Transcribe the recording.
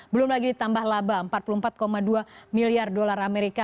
belum lagi ditambah laba empat puluh empat dua miliar dolar amerika